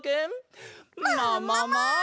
ももも！